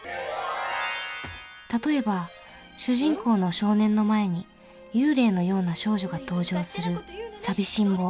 例えば主人公の少年の前に幽霊のような少女が登場する「さびしんぼう」。